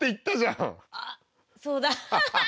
あっそうだ。